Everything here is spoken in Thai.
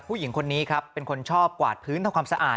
ผู้หญิงคนนี้ครับเป็นคนชอบกวาดพื้นทำความสะอาด